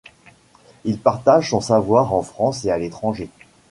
Il partage son savoir en France et à l'étranger.